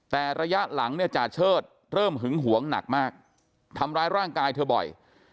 แต่ระยะหลังเนี่ยจาเชิดเริ่มหึงหวงหนักมากทำร้ายร่างกายเธอบ่อย